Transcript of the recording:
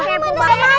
gak mau gak mau